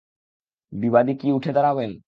বিবাদী কী উঠে দাঁড়াবেন?